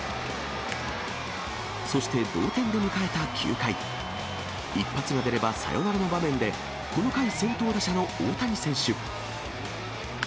そして同点で迎えた９回、一発が出ればサヨナラの場面で、この回、先頭打者の大谷選手。